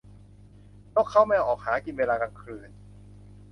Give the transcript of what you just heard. นกเค้าแมวออกหากินเวลากลางคืน